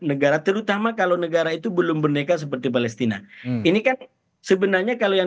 negara terutama kalau negara itu belum berneka seperti palestina ini kan sebenarnya kalau yang